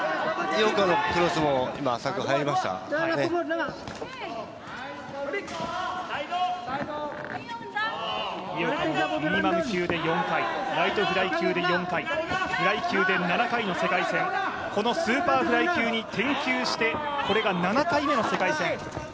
井岡もミニマム級で４回ライトフライ級で４回、フライ級で７回の世界戦このスーパーフライ級に転級して、これが７回目の世界戦。